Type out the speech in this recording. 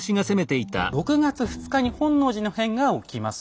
６月２日に本能寺の変が起きます。